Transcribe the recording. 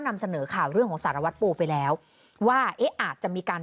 นำเสนอข่าวเรื่องของสารวัตรปูไปแล้วว่าเอ๊ะอาจจะมีการ